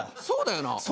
そうだよな。